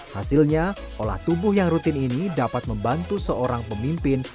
hasilnya olah tubuh yang rutin ini dapat membantu seorang pemimpin